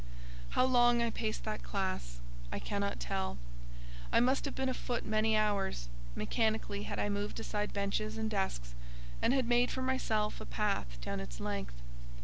How long I paced that classe I cannot tell; I must have been afoot many hours; mechanically had I moved aside benches and desks, and had made for myself a path down its length.